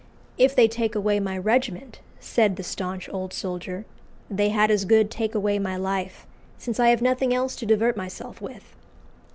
"If they take away my regiment," said the staunch old soldier, "they had as good take away my life, since I have nothing else to divert myself with."